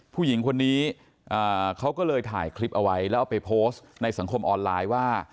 ผู้หญิงคนนี้เขาก็เลยถ่ายคลิปเอาไว้แล้วเอาไปโพสต์ในสังคมออนไลน์ว่า